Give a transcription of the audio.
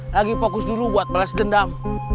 lagi fokus dulu buat balas dendam